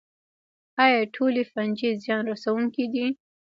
ایا ټولې فنجي زیان رسوونکې دي